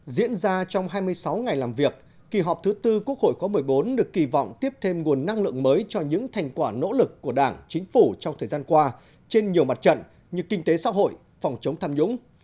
diễn ra trong hai mươi sáu ngày làm việc kỳ họp thứ tư quốc hội khóa một mươi bốn được kỳ vọng tiếp thêm nguồn năng lượng mới cho những thành quả nỗ lực của đảng chính phủ trong thời gian qua trên nhiều mặt trận như kinh tế xã hội phòng chống tham nhũng